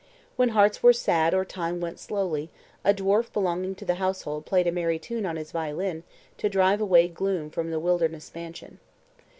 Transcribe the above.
When hearts were sad or time went slowly, a dwarf belonging to the household played a merry tune on his violin to drive away gloom from the wilderness mansion.